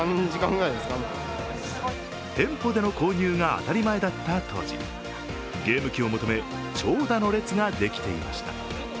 店舗での購入が当たり前だった当時、ゲーム機を求め、長蛇の列ができていました。